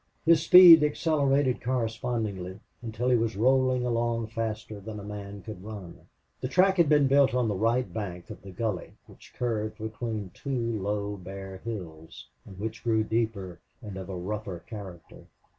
His speed accelerated correspondingly until he was rolling along faster than a man could run. The track had been built on the right bank of the gully which curved between low bare hills, and which grew deeper and of a rougher character.